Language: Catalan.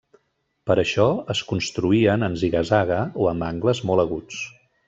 Per això es construïen en ziga-zaga, o amb angles molt aguts.